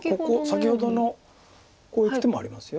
先ほどのこういく手もあります。